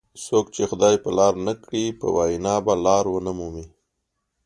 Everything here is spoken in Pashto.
څوک چې خدای په لار نه کړي په وینا به لار ونه مومي.